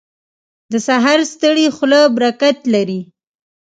• د سهار ستړې خوله برکت لري.